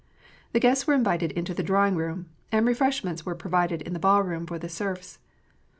The guests were invited into the drawing room, and refreshments were provided in the ballroom for the serfs.